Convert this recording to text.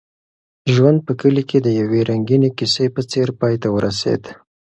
ژوند په کلي کې د یوې رنګینې کیسې په څېر پای ته ورسېد.